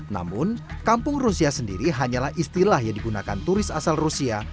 namun kampung rusia sendiri hanyalah istilah yang digunakan turis asal rusia